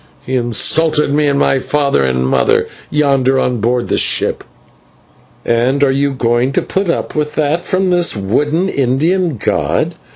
he insulted me and my father and mother, yonder on board the ship." "And are you going to put up with that from this wooden Indian god?